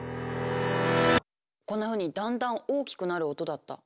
こんなふうにだんだん大きくなる音だった。